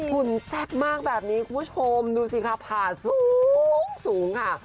ุ่นแซ่บมากแบบนี้คุณผู้ชมดูสิค่ะผ่าสูงค่ะ